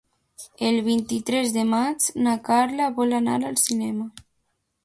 El vint-i-tres de maig na Carla vol anar al cinema.